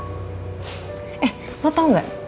eh lo tau gak